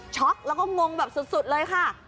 ช็อกแล้วก็งงแบบสุดเลยค่ะ